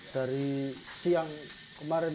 dari siang kemarin ya